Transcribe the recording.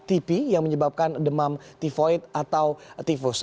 tipi yang menyebabkan demam tivoid atau tifus